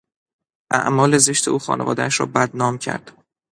اعمال زشت او خانوادهاش را بدنام کرد.